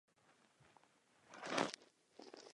Měli bychom si připomenout, co obsahuje Laekenská deklarace.